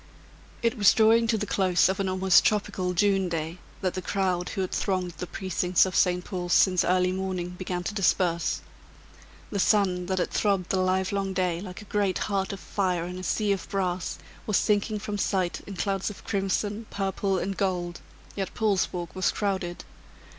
It was drawing to the close of an almost tropical June day, that the crowd who had thronged the precincts of St. Paul's since early morning, began to disperse. The sun, that had throbbed the livelong day like a great heart of fire in a sea of brass, was sinking from sight in clouds of crimson, purple and gold, yet Paul's Walk was crowded.